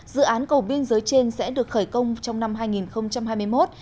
dự án cầu biên giới trên sẽ được khởi công trong năm hai nghìn hai mươi một